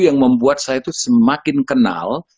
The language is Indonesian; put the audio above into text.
yang membuat saya itu semakin kenal